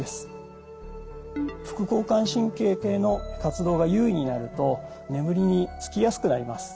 副交感神経系の活動が優位になると眠りにつきやすくなります。